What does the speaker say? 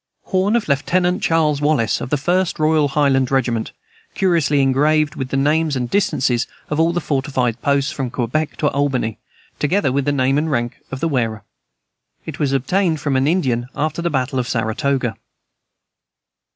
Horn of Lieutenant Charles Wallace, of the 1st Royal Highland regiment, curiously engraved with the names and distances of all the fortified posts from Quebec to Albany, together with the name and rank of the wearer. It was obtained from an Indian after the battle of Saratoga.